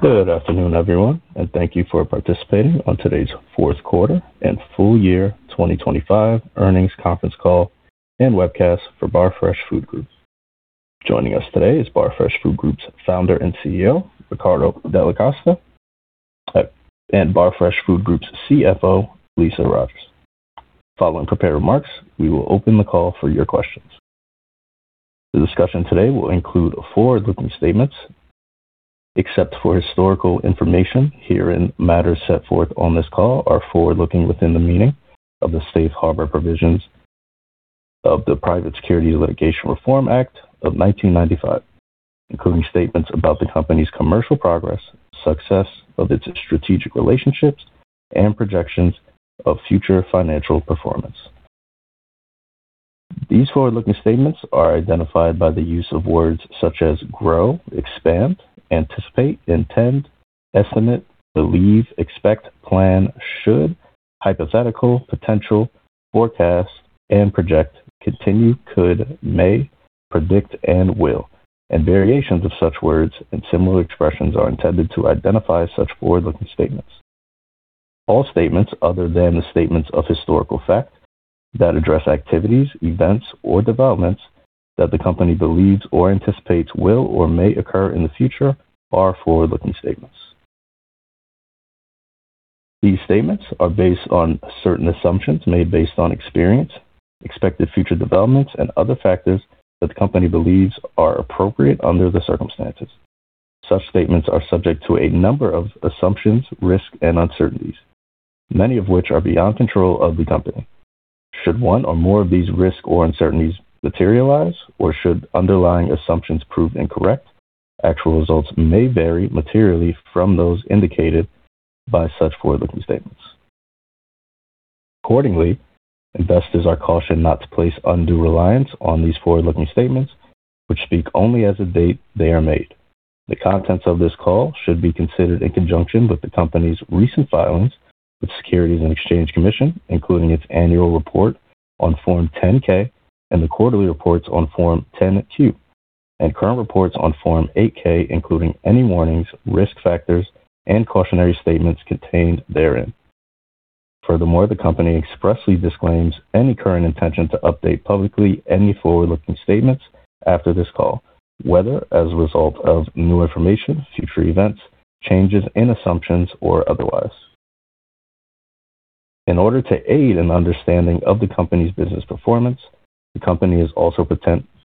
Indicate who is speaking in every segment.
Speaker 1: Good afternoon, everyone, and thank you for participating on today's fourth quarter and full year 2025 earnings conference call and webcast for Barfresh Food Group. Joining us today is Barfresh Food Group's Founder and CEO, Riccardo Delle Coste, and Barfresh Food Group's CFO, Lisa Roger. Following prepared remarks, we will open the call for your questions. The discussion today will include forward-looking statements. Except for historical information herein, matters set forth on this call are forward-looking within the meaning of the Safe Harbor provisions of the Private Securities Litigation Reform Act of 1995, including statements about the company's commercial progress, success of its strategic relationships, and projections of future financial performance. These forward-looking statements are identified by the use of words such as grow, expand, anticipate, intend, estimate, believe, expect, plan, should, hypothetical, potential, forecast, and project, continue, could, may, predict, and will, and variations of such words and similar expressions are intended to identify such forward-looking statements. All statements other than the statements of historical fact that address activities, events, or developments that the company believes or anticipates will or may occur in the future are forward-looking statements. These statements are based on certain assumptions made based on experience, expected future developments, and other factors that the company believes are appropriate under the circumstances. Such statements are subject to a number of assumptions, risks, and uncertainties, many of which are beyond control of the company. Should one or more of these risks or uncertainties materialize, or should underlying assumptions prove incorrect, actual results may vary materially from those indicated by such forward-looking statements. Accordingly, investors are cautioned not to place undue reliance on these forward-looking statements, which speak only as of the date they are made. The contents of this call should be considered in conjunction with the company's recent filings with Securities and Exchange Commission, including its annual report on Form 10-K and the quarterly reports on Form 10-Q and current reports on Form 8-K, including any warnings, risk factors, and cautionary statements contained therein. Furthermore, the company expressly disclaims any current intention to update publicly any forward-looking statements after this call, whether as a result of new information, future events, changes in assumptions, or otherwise. In order to aid in understanding of the company's business performance, the company is also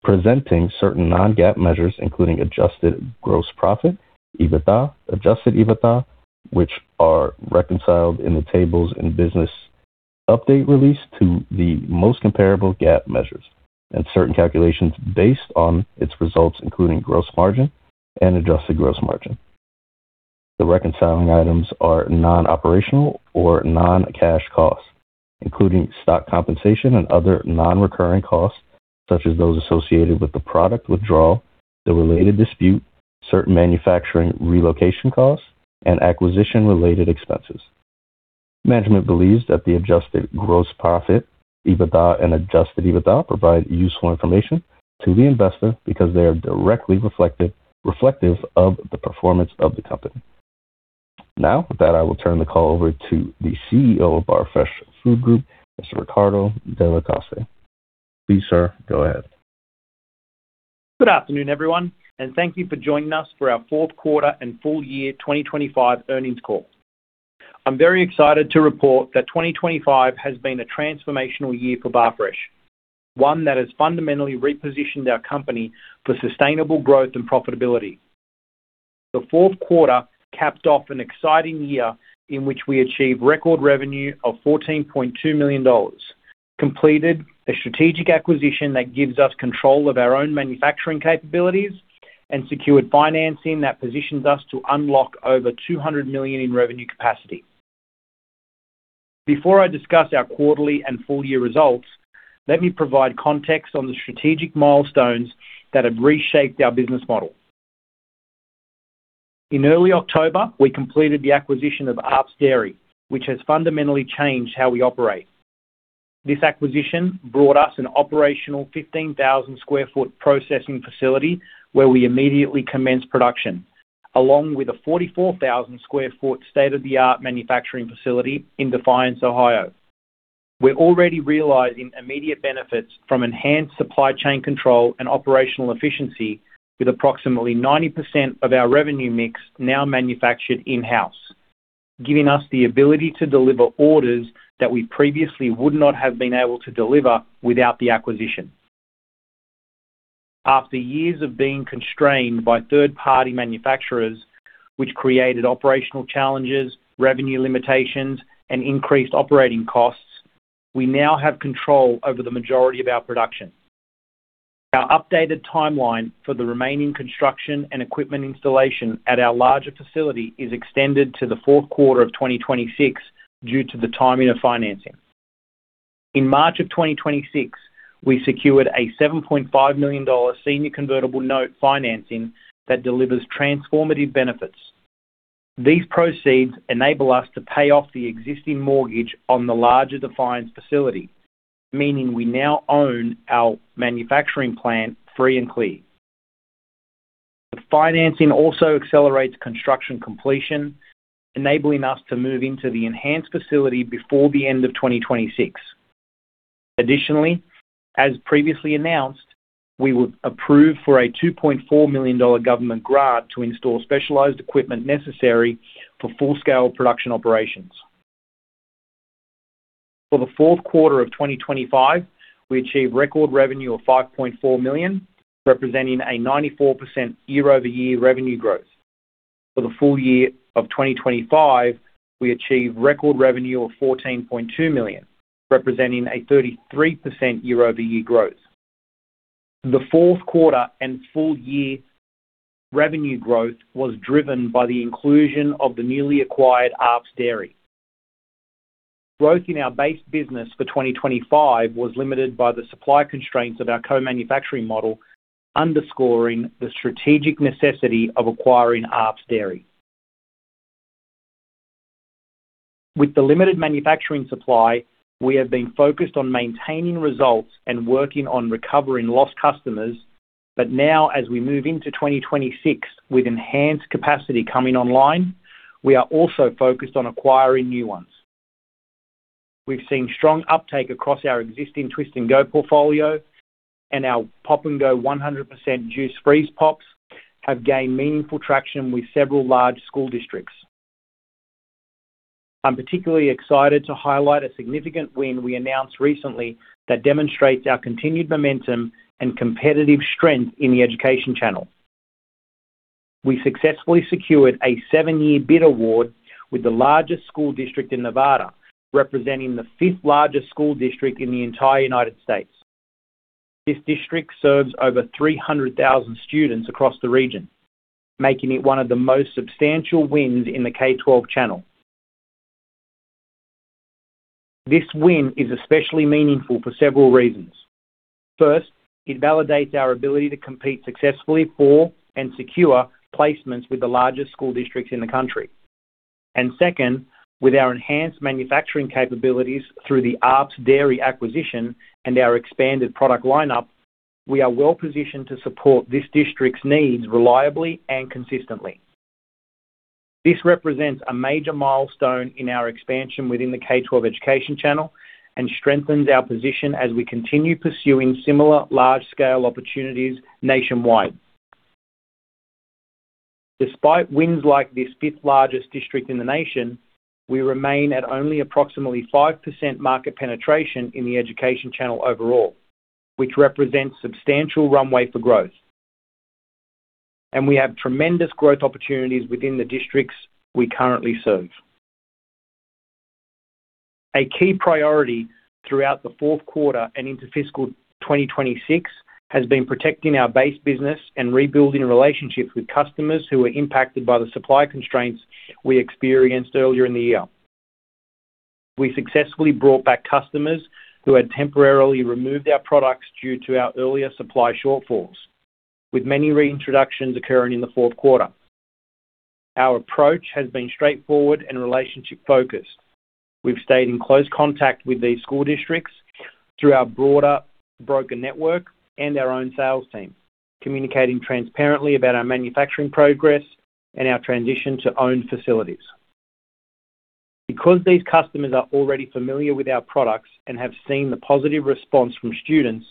Speaker 1: presenting certain non-GAAP measures, including adjusted gross profit, EBITDA, adjusted EBITDA, which are reconciled in the tables and business update release to the most comparable GAAP measures and certain calculations based on its results, including gross margin and adjusted gross margin. The reconciling items are non-operational or non-cash costs, including stock compensation and other non-recurring costs, such as those associated with the product withdrawal, the related dispute, certain manufacturing relocation costs, and acquisition-related expenses. Management believes that the adjusted gross profit, EBITDA, and adjusted EBITDA provide useful information to the investor because they are directly reflective of the performance of the company. Now, with that, I will turn the call over to the CEO of Barfresh Food Group, Mr. Riccardo Delle Coste. Please, sir, go ahead.
Speaker 2: Good afternoon, everyone, and thank you for joining us for our fourth quarter and full year 2025 earnings call. I'm very excited to report that 2025 has been a transformational year for Barfresh, one that has fundamentally repositioned our company for sustainable growth and profitability. The fourth quarter capped off an exciting year in which we achieved record revenue of $14.2 million, completed a strategic acquisition that gives us control of our own manufacturing capabilities, and secured financing that positions us to unlock over $200 million in revenue capacity. Before I discuss our quarterly and full-year results, let me provide context on the strategic milestones that have reshaped our business model. In early October, we completed the acquisition of Arps Dairy, which has fundamentally changed how we operate. This acquisition brought us an operational 15,000 sq ft processing facility where we immediately commenced production, along with a 44,000 sq ft state-of-the-art manufacturing facility in Defiance, Ohio. We're already realizing immediate benefits from enhanced supply chain control and operational efficiency with approximately 90% of our revenue mix now manufactured in-house, giving us the ability to deliver orders that we previously would not have been able to deliver without the acquisition. After years of being constrained by third-party manufacturers, which created operational challenges, revenue limitations, and increased operating costs, we now have control over the majority of our production. Our updated timeline for the remaining construction and equipment installation at our larger facility is extended to the fourth quarter of 2026 due to the timing of financing. In March of 2026, we secured a $7.5 million senior convertible note financing that delivers transformative benefits. These proceeds enable us to pay off the existing mortgage on the larger Defiance facility. Meaning we now own our manufacturing plant free and clear. The financing also accelerates construction completion, enabling us to move into the enhanced facility before the end of 2026. Additionally, as previously announced, we were approved for a $2.4 million government grant to install specialized equipment necessary for full-scale production operations. For the fourth quarter of 2025, we achieved record revenue of $5.4 million, representing a 94% year-over-year revenue growth. For the full year of 2025, we achieved record revenue of $14.2 million, representing a 33% year-over-year growth. The fourth quarter and full year revenue growth was driven by the inclusion of the newly acquired Arps Dairy. Growth in our base business for 2025 was limited by the supply constraints of our co-manufacturing model, underscoring the strategic necessity of acquiring Arps Dairy. With the limited manufacturing supply, we have been focused on maintaining results and working on recovering lost customers. Now, as we move into 2026 with enhanced capacity coming online, we are also focused on acquiring new ones. We've seen strong uptake across our existing Twist & Go portfolio, and our Pop & Go 100% juice freeze pops have gained meaningful traction with several large school districts. I'm particularly excited to highlight a significant win we announced recently that demonstrates our continued momentum and competitive strength in the education channel. We successfully secured a 7-year bid award with the largest school district in Nevada, representing the fifth largest school district in the entire United States. This district serves over 300,000 students across the region, making it one of the most substantial wins in the K-12 channel. This win is especially meaningful for several reasons. First, it validates our ability to compete successfully for and secure placements with the largest school districts in the country. Second, with our enhanced manufacturing capabilities through the Arps Dairy acquisition and our expanded product lineup, we are well positioned to support this district's needs reliably and consistently. This represents a major milestone in our expansion within the K-12 education channel and strengthens our position as we continue pursuing similar large-scale opportunities nationwide. Despite wins like this fifth largest district in the nation, we remain at only approximately 5% market penetration in the education channel overall, which represents substantial runway for growth. We have tremendous growth opportunities within the districts we currently serve. A key priority throughout the fourth quarter and into fiscal 2026 has been protecting our base business and rebuilding relationships with customers who were impacted by the supply constraints we experienced earlier in the year. We successfully brought back customers who had temporarily removed our products due to our earlier supply shortfalls, with many reintroductions occurring in the fourth quarter. Our approach has been straightforward and relationship-focused. We've stayed in close contact with these school districts through our broader broker network and our own sales team, communicating transparently about our manufacturing progress and our transition to owned facilities. Because these customers are already familiar with our products and have seen the positive response from students,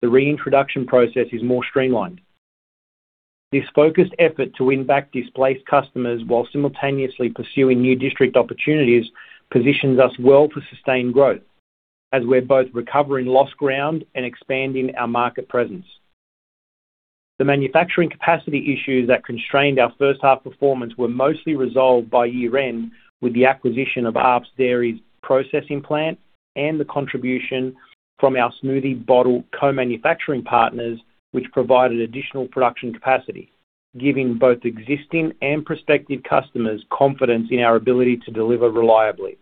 Speaker 2: the reintroduction process is more streamlined. This focused effort to win back displaced customers while simultaneously pursuing new district opportunities positions us well for sustained growth as we're both recovering lost ground and expanding our market presence. The manufacturing capacity issues that constrained our first half performance were mostly resolved by year-end with the acquisition of Arps Dairy's processing plant and the contribution from our smoothie bottle co-manufacturing partners, which provided additional production capacity, giving both existing and prospective customers confidence in our ability to deliver reliably.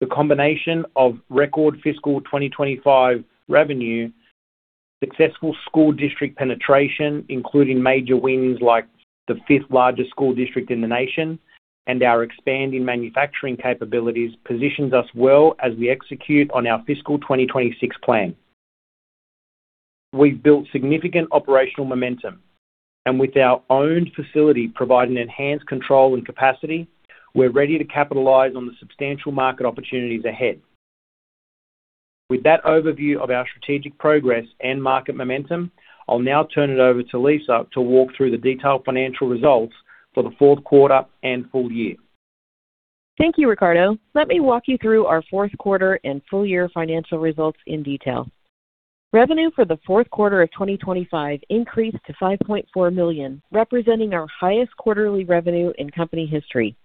Speaker 2: The combination of record fiscal 2025 revenue, successful school district penetration, including major wins like the fifth largest school district in the nation, and our expanding manufacturing capabilities positions us well as we execute on our fiscal 2026 plan. We've built significant operational momentum, and with our owned facility providing enhanced control and capacity, we're ready to capitalize on the substantial market opportunities ahead. With that overview of our strategic progress and market momentum, I'll now turn it over to Lisa to walk through the detailed financial results for the fourth quarter and full year.
Speaker 3: Thank you, Riccardo. Let me walk you through our fourth quarter and full-year financial results in detail. Revenue for the fourth quarter of 2025 increased to $5.4 million, representing our highest quarterly revenue in company history.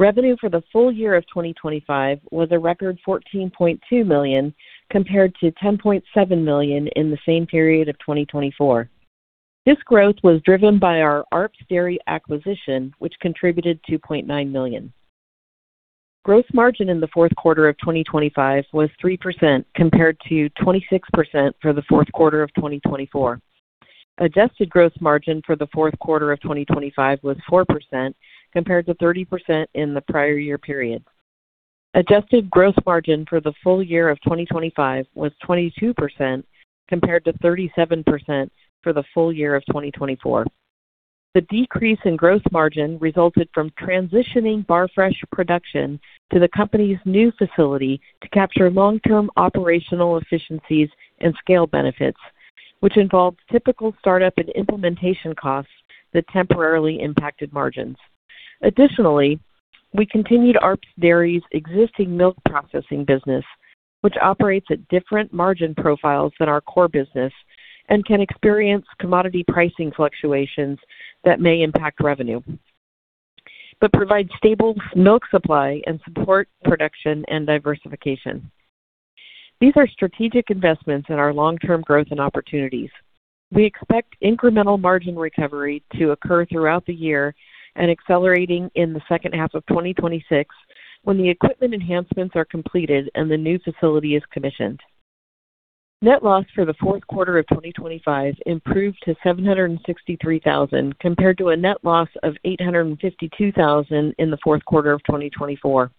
Speaker 3: Revenue for the full year of 2025 was a record $14.2 million, compared to $10.7 million in the same period of 2024. This growth was driven by our Arps Dairy acquisition, which contributed $2.9 million. Gross margin in the fourth quarter of 2025 was 3% compared to 26% for the fourth quarter of 2024. Adjusted gross margin for the fourth quarter of 2025 was 4%, compared to 30% in the prior year period. Adjusted gross margin for the full year of 2025 was 22%, compared to 37% for the full year of 2024. The decrease in gross margin resulted from transitioning Barfresh production to the company's new facility to capture long-term operational efficiencies and scale benefits, which involved typical startup and implementation costs that temporarily impacted margins. Additionally, we continued Arps Dairy's existing milk processing business, which operates at different margin profiles than our core business and can experience commodity pricing fluctuations that may impact revenue, but provide stable milk supply and support production and diversification. These are strategic investments in our long-term growth and opportunities. We expect incremental margin recovery to occur throughout the year and accelerating in the second half of 2026 when the equipment enhancements are completed and the new facility is commissioned. Net loss for the fourth quarter of 2025 improved to $763,000, compared to a net loss of $852,000 in the fourth quarter of 2024.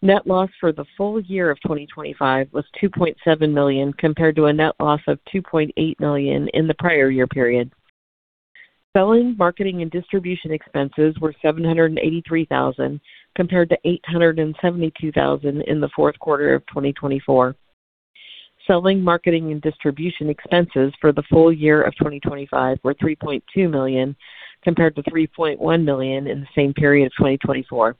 Speaker 3: Net loss for the full year of 2025 was $2.7 million, compared to a net loss of $2.8 million in the prior year period. Selling, marketing and distribution expenses were $783,000, compared to $872,000 in the fourth quarter of 2024. Selling, marketing and distribution expenses for the full year of 2025 were $3.2 million, compared to $3.1 million in the same period of 2024.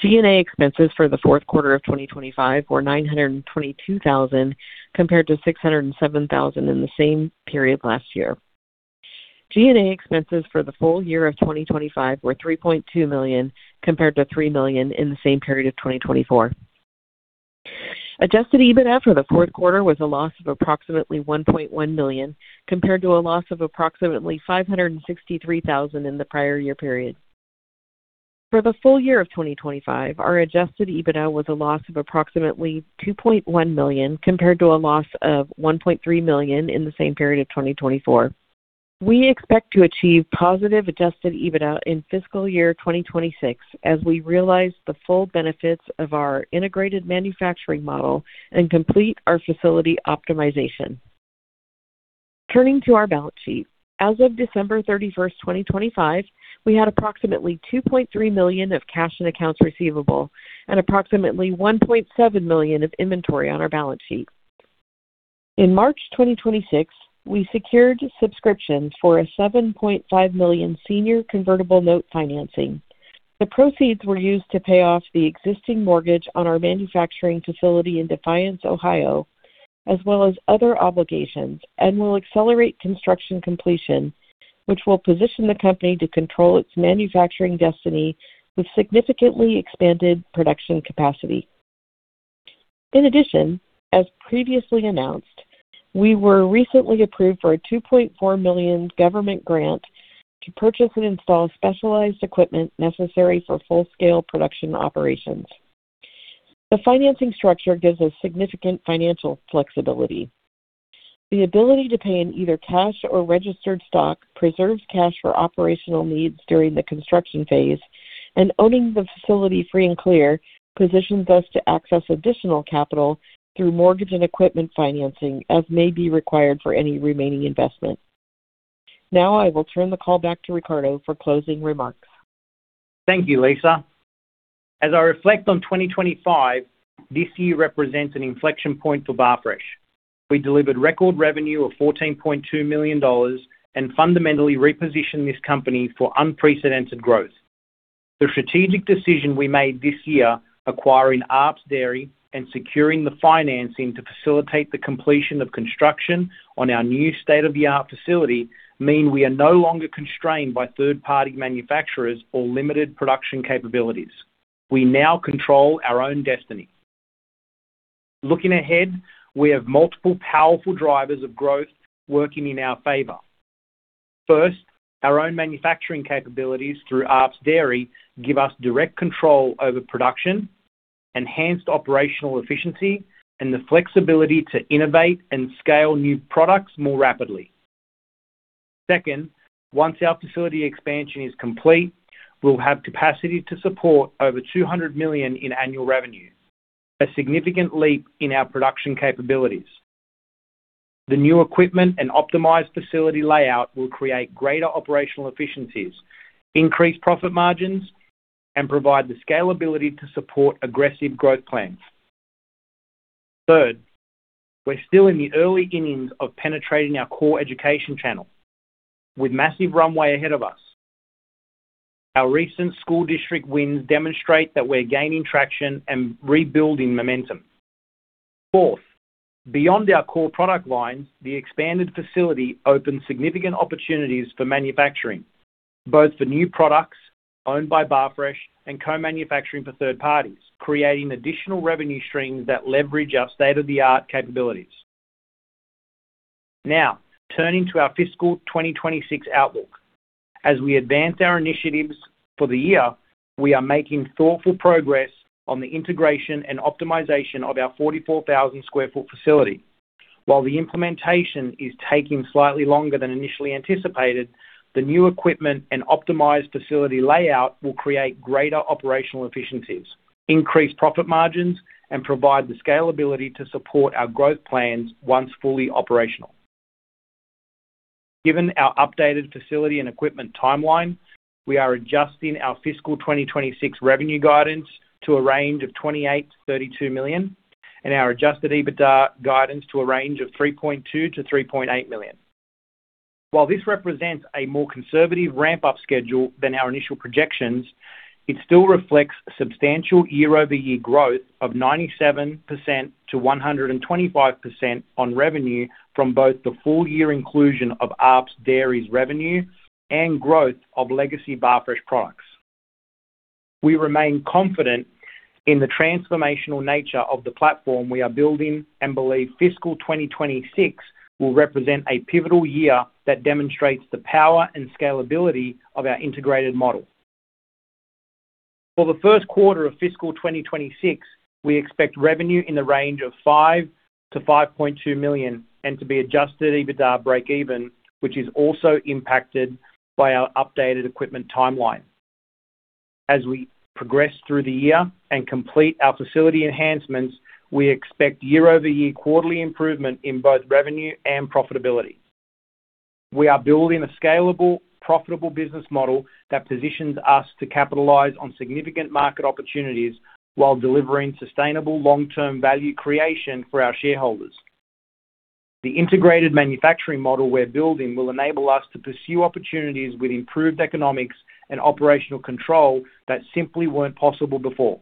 Speaker 3: G&A expenses for the fourth quarter of 2025 were $922,000, compared to $607,000 in the same period last year. G&A expenses for the full year of 2025 were $3.2 million, compared to $3 million in the same period of 2024. Adjusted EBITDA for the fourth quarter was a loss of approximately $1.1 million, compared to a loss of approximately $563,000 in the prior year period. For the full year of 2025, our adjusted EBITDA was a loss of approximately $2.1 million, compared to a loss of $1.3 million in the same period of 2024. We expect to achieve positive adjusted EBITDA in fiscal year 2026 as we realize the full benefits of our integrated manufacturing model and complete our facility optimization. Turning to our balance sheet. As of December 31, 2025, we had approximately $2.3 million of cash and accounts receivable and approximately $1.7 million of inventory on our balance sheet. In March 2026, we secured subscription for a $7.5 million senior convertible note financing. The proceeds were used to pay off the existing mortgage on our manufacturing facility in Defiance, Ohio, as well as other obligations, and will accelerate construction completion, which will position the company to control its manufacturing destiny with significantly expanded production capacity. In addition, as previously announced, we were recently approved for a $2.4 million government grant to purchase and install specialized equipment necessary for full-scale production operations. The financing structure gives us significant financial flexibility. The ability to pay in either cash or registered stock preserves cash for operational needs during the construction phase, and owning the facility free and clear positions us to access additional capital through mortgage and equipment financing as may be required for any remaining investment. Now I will turn the call back to Riccardo for closing remarks.
Speaker 2: Thank you, Lisa Roger. As I reflect on 2025, this year represents an inflection point for Barfresh. We delivered record revenue of $14.2 million and fundamentally repositioned this company for unprecedented growth. The strategic decision we made this year acquiring Arps Dairy and securing the financing to facilitate the completion of construction on our new state-of-the-art facility mean we are no longer constrained by third-party manufacturers or limited production capabilities. We now control our own destiny. Looking ahead, we have multiple powerful drivers of growth working in our favor. First, our own manufacturing capabilities through Arps Dairy give us direct control over production, enhanced operational efficiency, and the flexibility to innovate and scale new products more rapidly. Second, once our facility expansion is complete, we'll have capacity to support over $200 million in annual revenue, a significant leap in our production capabilities. The new equipment and optimized facility layout will create greater operational efficiencies, increase profit margins, and provide the scalability to support aggressive growth plans. Third, we're still in the early innings of penetrating our core education channel with massive runway ahead of us. Our recent school district wins demonstrate that we're gaining traction and rebuilding momentum. Fourth, beyond our core product lines, the expanded facility opens significant opportunities for manufacturing, both for new products owned by Barfresh and co-manufacturing for third parties, creating additional revenue streams that leverage our state-of-the-art capabilities. Now, turning to our fiscal 2026 outlook. As we advance our initiatives for the year, we are making thoughtful progress on the integration and optimization of our 44,00 sq ft facility. While the implementation is taking slightly longer than initially anticipated, the new equipment and optimized facility layout will create greater operational efficiencies, increase profit margins, and provide the scalability to support our growth plans once fully operational. Given our updated facility and equipment timeline, we are adjusting our fiscal 2026 revenue guidance to a range of $28 million-$32 million and our Adjusted EBITDA guidance to a range of $3.2 million-$3.8 million. While this represents a more conservative ramp up schedule than our initial projections, it still reflects substantial year-over-year growth of 97%-125% on revenue from both the full year inclusion of Arps Dairy's revenue and growth of legacy Barfresh products. We remain confident in the transformational nature of the platform we are building and believe fiscal 2026 will represent a pivotal year that demonstrates the power and scalability of our integrated model. For the first quarter of fiscal 2026, we expect revenue in the range of $5-$5.2 million and to be Adjusted EBITDA break-even, which is also impacted by our updated equipment timeline. As we progress through the year and complete our facility enhancements, we expect year-over-year quarterly improvement in both revenue and profitability. We are building a scalable, profitable business model that positions us to capitalize on significant market opportunities while delivering sustainable long-term value creation for our shareholders. The integrated manufacturing model we're building will enable us to pursue opportunities with improved economics and operational control that simply weren't possible before.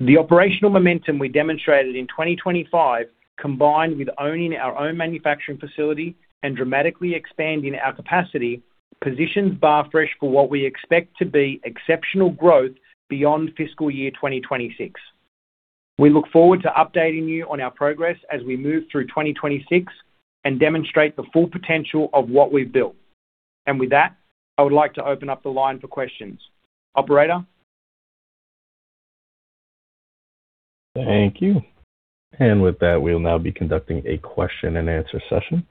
Speaker 2: The operational momentum we demonstrated in 2025, combined with owning our own manufacturing facility and dramatically expanding our capacity, positions Barfresh for what we expect to be exceptional growth beyond fiscal year 2026. We look forward to updating you on our progress as we move through 2026 and demonstrate the full potential of what we've built. With that, I would like to open up the line for questions. Operator?
Speaker 1: Thank you. With that, we'll now be conducting a question and answer session.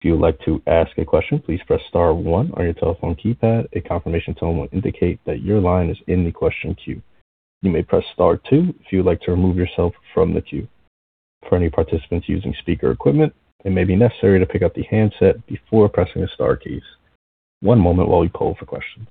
Speaker 1: If you would like to ask a question, please press star one on your telephone keypad. A confirmation tone will indicate that your line is in the question queue. You may press star two if you would like to remove yourself from the queue. For any participants using speaker equipment, it may be necessary to pick up the handset before pressing the star keys. One moment while we poll for questions.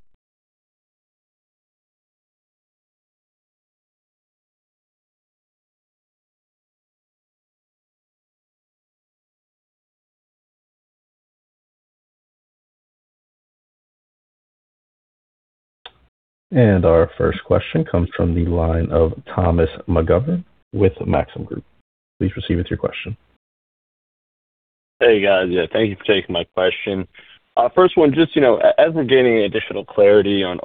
Speaker 1: Our first question comes from the line of Thomas McGovern with Maxim Group. Please proceed with your question.
Speaker 4: Hey, guys. Yeah, thank you for taking my question. First one, just, as we're gaining additional clarity on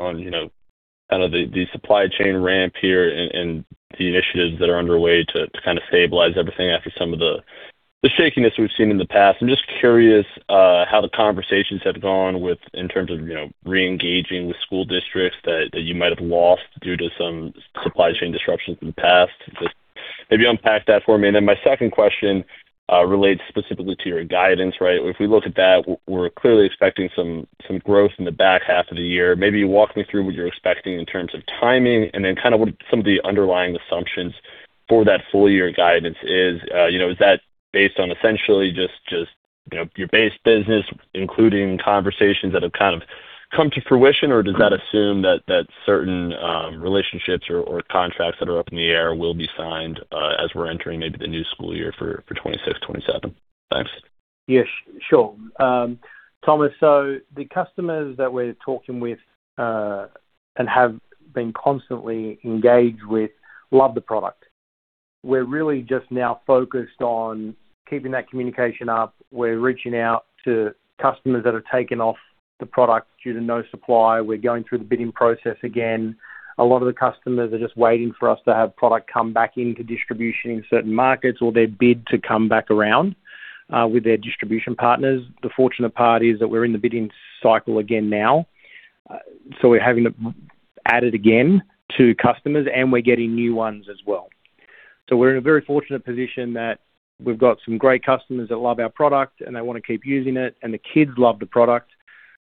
Speaker 4: the supply chain ramp here and the initiatives that are underway to stabilize everything after some of the shakiness we've seen in the past, I'm just curious how the conversations have gone, in terms of re-engaging with school districts that you might have lost due to some supply chain disruptions in the past. Just maybe unpack that for me. Then my second question relates specifically to your guidance, right? If we look at that, we're clearly expecting some growth in the back half of the year. Maybe walk me through what you're expecting in terms of timing and then kind of what some of the underlying assumptions for that full year guidance is. You know, is that based on essentially just you know, your base business, including conversations that have kind of come to fruition? Or does that assume that certain relationships or contracts that are up in the air will be signed as we're entering maybe the new school year for 2026, 2027? Thanks.
Speaker 2: Yeah, sure. Thomas, the customers that we're talking with and have been constantly engaged with love the product. We're really just now focused on keeping that communication up. We're reaching out to customers that have taken off the product due to no supply. We're going through the bidding process again. A lot of the customers are just waiting for us to have product come back into distribution in certain markets or their bid to come back around with their distribution partners. The fortunate part is that we're in the bidding cycle again now. We're having to add it again to customers, and we're getting new ones as well. We're in a very fortunate position that we've got some great customers that love our product and they wanna keep using it, and the kids love the product.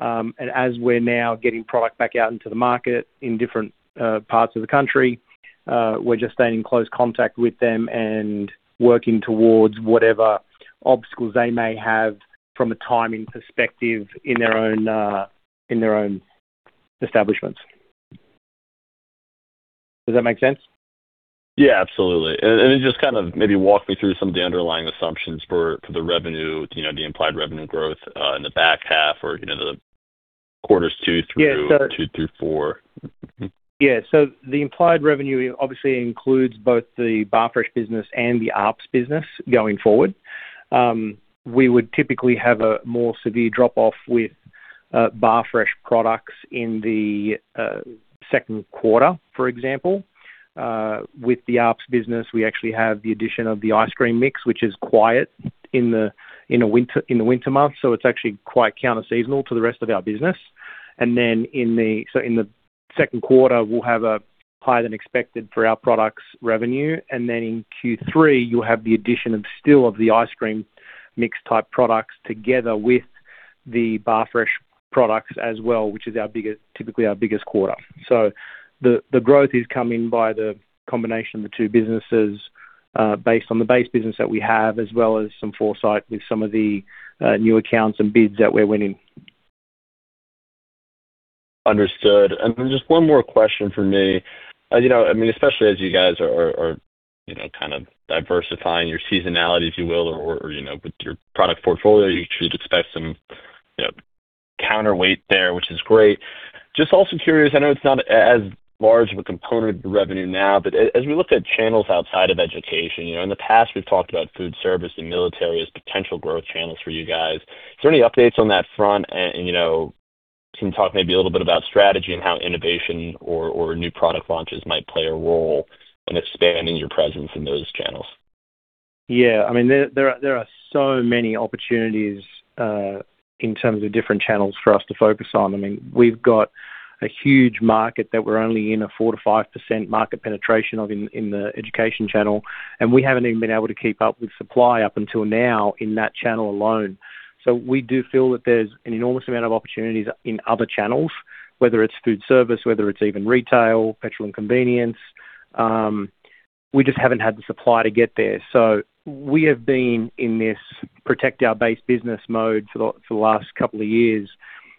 Speaker 2: As we're now getting product back out into the market in different parts of the country, we're just staying in close contact with them and working towards whatever obstacles they may have from a timing perspective in their own establishments. Does that make sense?
Speaker 4: Yeah, absolutely. Just kind of maybe walk me through some of the underlying assumptions for the revenue, you know, the implied revenue growth, in the back half or, you know, the quarters two through-
Speaker 2: Yeah.
Speaker 4: 2 through 4.
Speaker 2: Yeah. The implied revenue obviously includes both the Barfresh business and the Arps business going forward. We would typically have a more severe drop off with Barfresh products in the second quarter, for example. With the Arps business, we actually have the addition of the ice cream mix, which is quiet in the winter months. It's actually quite counter seasonal to the rest of our business. In the second quarter, we'll have a higher than expected for our products revenue. In Q3, you'll have the addition of still of the ice cream mix type products together with the Barfresh products as well, which is typically our biggest quarter. The growth is coming by the combination of the two businesses, based on the base business that we have, as well as some foresight with some of the new accounts and bids that we're winning.
Speaker 4: Understood. Just one more question from me. You know, I mean, especially as you guys are, you know, kind of diversifying your seasonality, if you will, or, you know, with your product portfolio, you should expect some, you know, counterweight there, which is great. I'm just also curious, I know it's not as large of a component of the revenue now, but as we look at channels outside of education, you know, in the past we've talked about food service and military as potential growth channels for you guys. Is there any updates on that front? You know, can you talk maybe a little bit about strategy and how innovation or new product launches might play a role in expanding your presence in those channels?
Speaker 2: Yeah. I mean, there are so many opportunities in terms of different channels for us to focus on. I mean, we've got a huge market that we're only in a 4%-5% market penetration of in the education channel, and we haven't even been able to keep up with supply up until now in that channel alone. We do feel that there's an enormous amount of opportunities in other channels, whether it's food service, whether it's even retail, petrol and convenience. We just haven't had the supply to get there. We have been in this protect our base business mode for the last couple of years.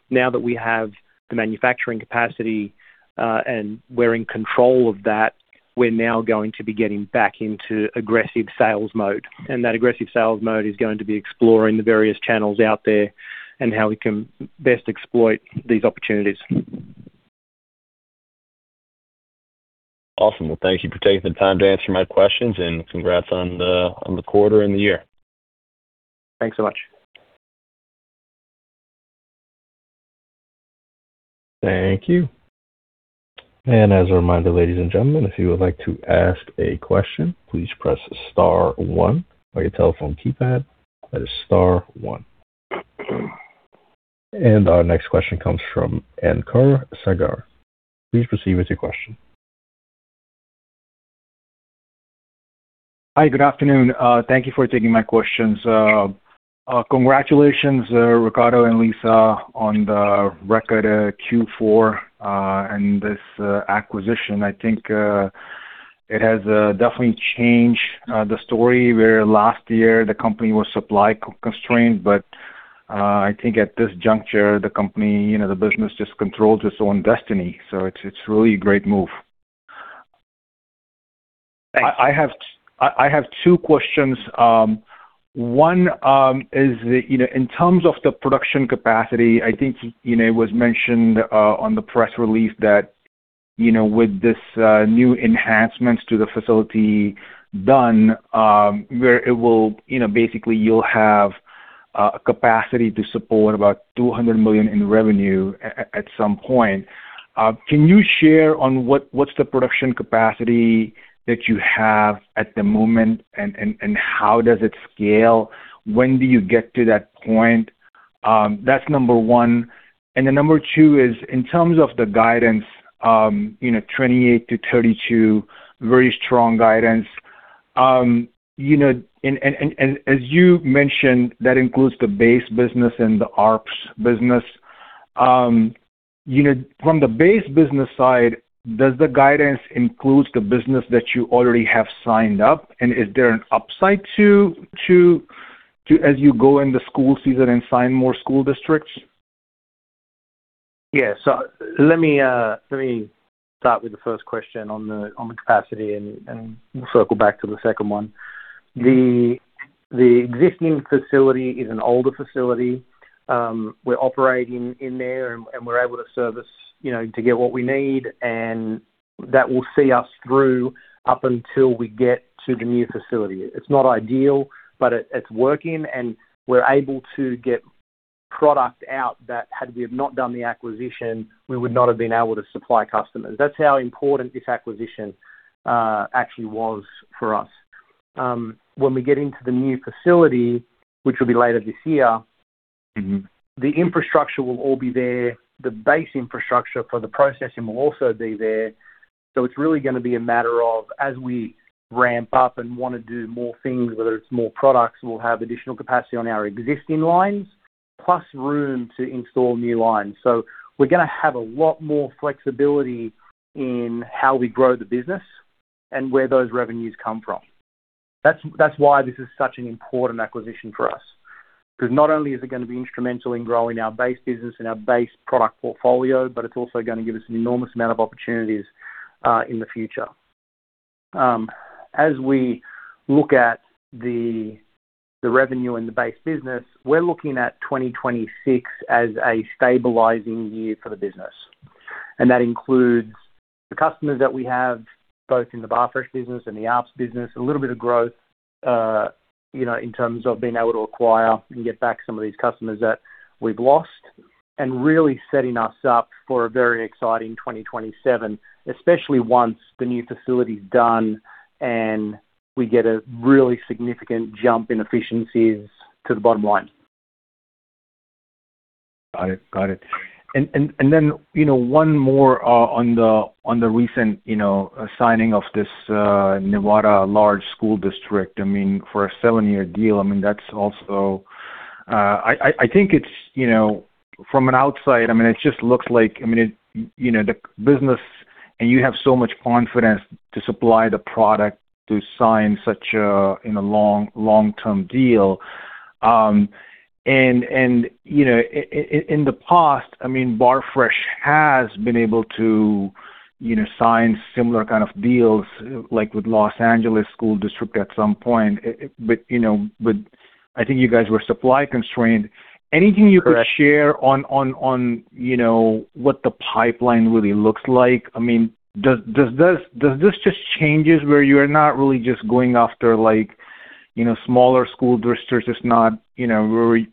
Speaker 2: Now that we have the manufacturing capacity and we're in control of that, we're now going to be getting back into aggressive sales mode. That aggressive sales mode is going to be exploring the various channels out there and how we can best exploit these opportunities.
Speaker 4: Awesome. Well, thank you for taking the time to answer my questions and congrats on the quarter and the year.
Speaker 2: Thanks so much.
Speaker 1: Thank you. As a reminder, ladies and gentlemen, if you would like to ask a question, please press star one on your telephone keypad. That is star one. Our next question comes from Ankur Sagar. Please proceed with your question.
Speaker 5: Hi, good afternoon. Thank you for taking my questions. Congratulations, Riccardo and Lisa on the record Q4 and this acquisition. I think it has definitely changed the story where last year the company was supply-constrained, but I think at this juncture the company, you know, the business just controls its own destiny. It's really a great move.
Speaker 2: Thanks.
Speaker 5: I have two questions. One is, you know, in terms of the production capacity, I think, you know, it was mentioned on the press release that, you know, with this new enhancements to the facility done, where it will, you know, basically you'll have capacity to support about $200 million in revenue at some point. Can you share on what's the production capacity that you have at the moment and how does it scale? When do you get to that point? That's number one. Number two is in terms of the guidance, you know, 28-32, very strong guidance. You know, and as you mentioned, that includes the base business and the Arps business. You know, from the base business side, does the guidance includes the business that you already have signed up? Is there an upside to as you go in the school season and sign more school districts?
Speaker 2: Yeah. Let me start with the first question on the capacity and circle back to the second one. The existing facility is an older facility. We're operating in there and we're able to service, you know, to get what we need, and that will see us through up until we get to the new facility. It's not ideal, but it's working and we're able to get product out that had we have not done the acquisition, we would not have been able to supply customers. That's how important this acquisition actually was for us. When we get into the new facility, which will be later this year.
Speaker 5: Mm-hmm.
Speaker 2: The infrastructure will all be there. The base infrastructure for the processing will also be there. It's really gonna be a matter of, as we ramp up and wanna do more things, whether it's more products, we'll have additional capacity on our existing lines, plus room to install new lines. We're gonna have a lot more flexibility in how we grow the business and where those revenues come from. That's why this is such an important acquisition for us. Because not only is it gonna be instrumental in growing our base business and our base product portfolio, but it's also gonna give us an enormous amount of opportunities in the future. As we look at the revenue and the base business, we're looking at 2026 as a stabilizing year for the business. That includes the customers that we have both in the Barfresh business and the Arps business, a little bit of growth, you know, in terms of being able to acquire and get back some of these customers that we've lost. Really setting us up for a very exciting 2027, especially once the new facility's done and we get a really significant jump in efficiencies to the bottom line.
Speaker 5: Got it. You know, one more on the recent signing of this Nevada large school district. I mean, for a 7-year deal, I mean, that's also. I think it's, you know, from an outside, I mean, it just looks like, I mean, it, you know, the business and you have so much confidence to supply the product to sign such a long-term deal. You know, in the past, I mean, Barfresh has been able to, you know, sign similar kind of deals like with Los Angeles school district at some point, but I think you guys were supply-constrained. Anything you could share-
Speaker 2: Correct.
Speaker 5: You know, what the pipeline really looks like. I mean, does this just changes where you're not really just going after like, you know, smaller school districts? It's not, you know,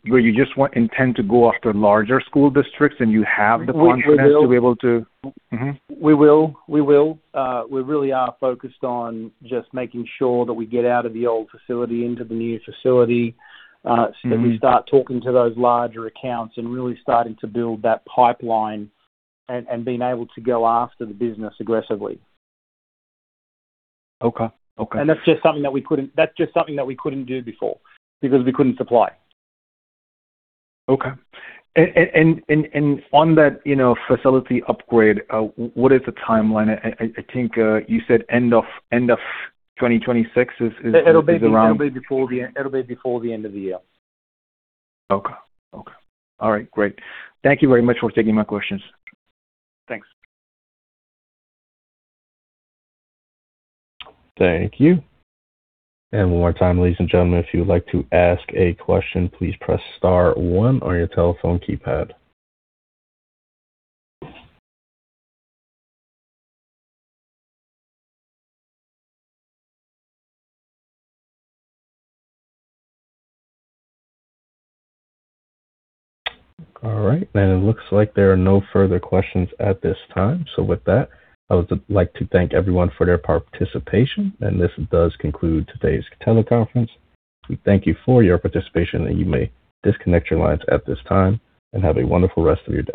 Speaker 5: where you just intend to go after larger school districts and you have the confidence to be able to-
Speaker 2: We will.
Speaker 5: Mm-hmm.
Speaker 2: We will. We really are focused on just making sure that we get out of the old facility into the new facility.
Speaker 5: Mm-hmm.
Speaker 2: That we start talking to those larger accounts and really starting to build that pipeline and being able to go after the business aggressively.
Speaker 5: Okay. Okay.
Speaker 2: That's just something that we couldn't do before because we couldn't supply.
Speaker 5: Okay. On that, you know, facility upgrade, what is the timeline? I think you said end of 2026 is around-
Speaker 2: It'll be before the end of the year.
Speaker 5: Okay. All right, great. Thank you very much for taking my questions.
Speaker 2: Thanks.
Speaker 1: Thank you. One more time, ladies and gentlemen, if you would like to ask a question, please press star one on your telephone keypad. All right, and it looks like there are no further questions at this time. With that, I would like to thank everyone for their participation, and this does conclude today's teleconference. We thank you for your participation, and you may disconnect your lines at this time, and have a wonderful rest of your day.